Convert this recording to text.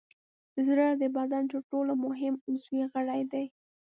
زړه د بدن تر ټولو مهم عضوي غړی دی.